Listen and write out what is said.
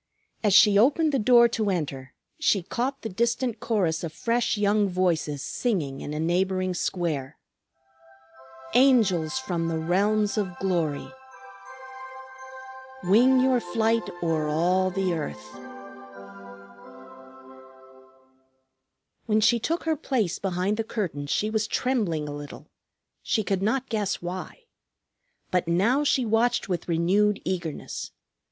As she opened the door to enter, she caught the distant chorus of fresh young voices singing in a neighboring square: "Angels from the realms of glory, Wing your flight o'er all the earth." When she took her place behind the curtain she was trembling a little, she could not guess why. But now she watched with renewed eagerness.